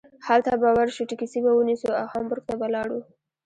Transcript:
هلته به ور شو ټکسي به ونیسو او هامبورګ ته به لاړو.